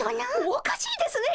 おかしいですね。